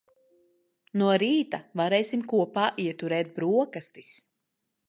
No rīta varēsim kopā ieturēt broksastis.